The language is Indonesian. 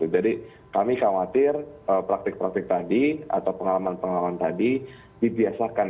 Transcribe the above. jadi kami khawatir praktik praktik tadi atau pengalaman pengalaman tadi dibiasakan